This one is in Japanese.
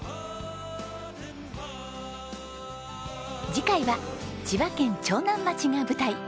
次回は千葉県長南町が舞台。